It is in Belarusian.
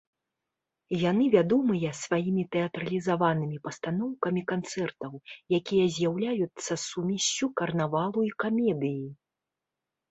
Яны вядомыя сваімі тэатралізаванымі пастаноўкамі канцэртаў, якія з'яўляюцца сумессю карнавалу і камедыі.